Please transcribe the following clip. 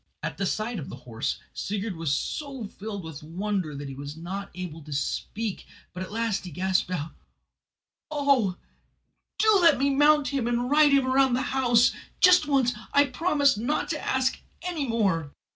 At the sight of the horse Sigurd was so filled with wonder that he was not able to speak, but at last he gasped out: "Oh, do let me mount him and ride him round the house! Just once; I promise not to ask any more."